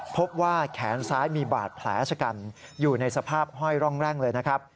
พบว่าแขนซ้ายมีบาดแผลชะกันอยู่ในสภาพห้อยร่องแร่งเลยนะครับ